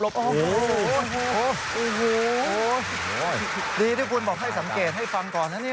โอ้โหดีที่คุณบอกให้สังเกตให้ฟังก่อนนะเนี่ย